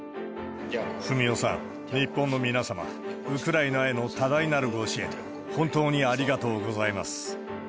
文雄さん、日本の皆様、ウクライナへの多大なるご支援、本当にありがとうございます。